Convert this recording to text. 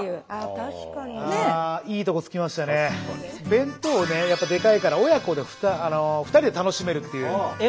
弁当をねやっぱでかいから親子で２人で楽しめるっていう。